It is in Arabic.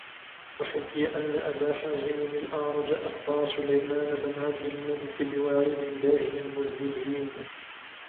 وَحُكِيَ أَنَّ أَبَا حَازِمٍ الْأَعْرَجَ أَخْبَرَ سُلَيْمَانَ بْنَ عَبْدِ الْمَلِكِ بِوَعِيدِ اللَّهِ لِلْمُذْنِبَيْنِ